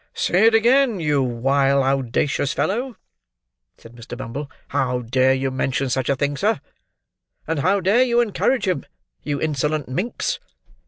"Say it again, you wile, owdacious fellow!" said Mr. Bumble. "How dare you mention such a thing, sir? And how dare you encourage him, you insolent minx?